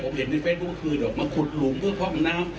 ผมเห็นในเฟซบุ๊คคืนเดี๋ยวมาขุดหลุมเพื่อพร่องน้ำ